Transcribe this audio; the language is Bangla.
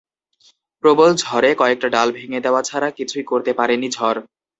প্রবল ঝড়ে কয়েকটা ডাল ভেঙে দেওয়া ছাড়া কিছুই করতে পারেনি ঝড়।